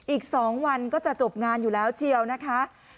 อีก๒วันก็จะจบงานอยู่แล้วเชียวนะคะ